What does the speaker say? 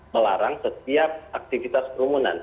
melarang setiap aktivitas kerumunan